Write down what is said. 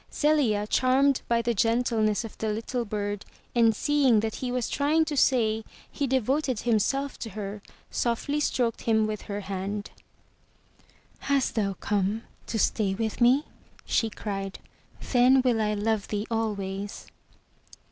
Zelia, charmed by the gentleness of the little bird, and seeing that he was trying to say he devoted himself to her, softly stroked him with her hand. "Hast thou come to stay with me?*' she cried. "Then will I love thee always."